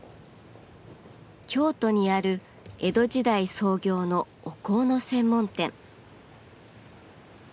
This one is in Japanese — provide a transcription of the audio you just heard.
京都にある江戸時代創業のお香の専門店。